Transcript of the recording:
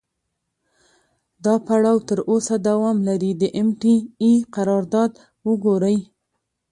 دا پړاو تر اوسه دوام لري، د ام ټي اې قرارداد وګورئ.